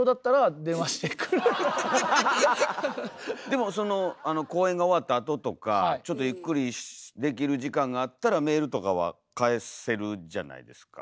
でもその公演が終わったあととかちょっとゆっくりできる時間があったらメールとかは返せるじゃないですか。